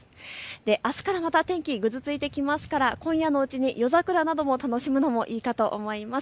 あすからまた天気ぐずついてきますから今夜のうちに夜桜なども楽しむのもいいかと思います。